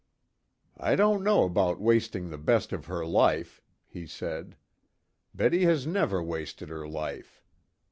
"I don't know about wasting the best of her life," he said. "Betty has never wasted her life.